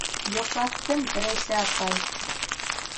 - Йоҡлаттым, Рәйсә апай.